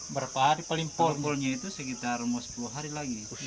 berapa hari pelimpolnya itu sekitar sepuluh hari lagi